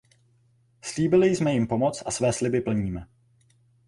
Slíbili jsme jim pomoc a své sliby plníme.